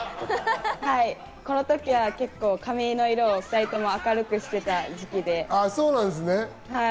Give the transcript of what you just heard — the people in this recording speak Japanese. はい、この時は結構、髪の色を２人とも明るくしていた時期で。